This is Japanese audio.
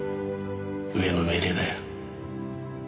上の命令だよ。